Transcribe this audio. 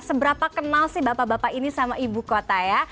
seberapa kenal sih bapak bapak ini sama ibu kota ya